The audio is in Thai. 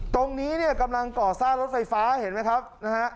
ตรงนี้เนี่ยกำลังก่อสร้างรถไฟฟ้าเห็นไหมครับนะฮะ